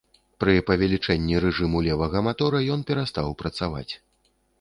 Пры павелічэнні рэжыму левага матора ён перастаў працаваць.